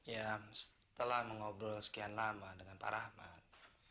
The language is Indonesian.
ya setelah mengobrol sekian lama dengan pak rahmat